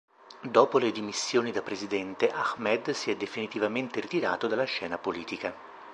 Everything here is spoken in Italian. Dopo le dimissioni da Presidente Ahmed si è definitivamente ritirato dalla scena politica.